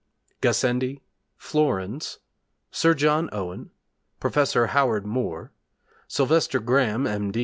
Gassendi Flourens Sir John Owen Professor Howard Moore Sylvester Graham, M.